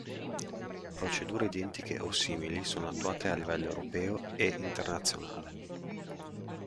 Procedure identiche o simili sono attuate a livello europeo e internazionale.